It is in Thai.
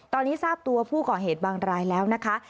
ตอนนี้ทราบตัวผู้ก่อเหตุบางรายแล้วนะคะ